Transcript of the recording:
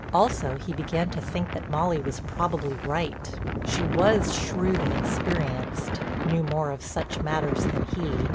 Also he began to think that Molly was probably right; she was shrewd and experienced, knew more of such matters than he.